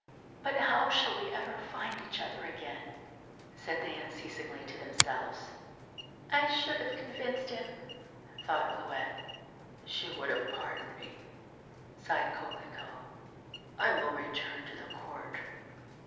"But how shall we ever find each other again," said they unceasingly to themselves. "I should have convinced him," thought Bleuette. "She would have pardoned me," sighed Coquelicot: "I will return to the Court.